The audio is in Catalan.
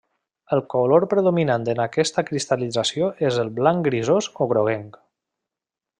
El color predominant en aquesta cristal·lització és el blanc grisós o groguenc.